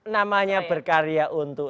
namanya berkarya untuk